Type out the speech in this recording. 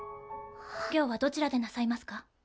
「今日はどちらでなさいますか？」